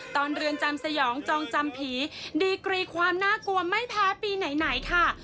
เรือนจำสยองจองจำผีดีกรีความน่ากลัวไม่แพ้ปีไหนค่ะ